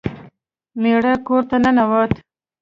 میړه کور ته ننوت.